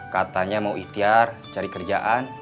katanya mau ikhtiar cari kerjaan